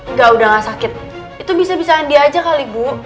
enggak udah gak sakit itu bisa bisa andi aja kali bu